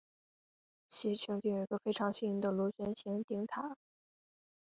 其穹顶有一个非常新颖的螺旋形顶塔。